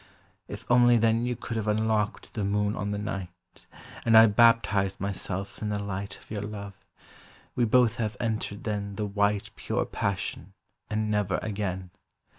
If only then You could have unlocked the moon on the night, And I baptized myself in the light Of your love; we both have entered then the white Pure passion, and never again.